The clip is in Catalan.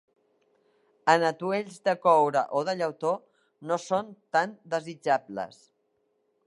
En atuells de coure o de llautó no són tan desitjables.